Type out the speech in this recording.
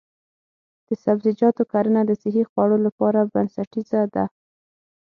د سبزیجاتو کرنه د صحي خوړو لپاره بنسټیزه ده.